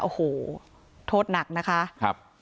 โอ้โหโทษหนักนะฮะ